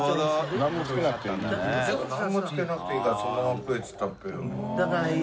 何も付けなくていいからそのまま食えって言ったっぺよ。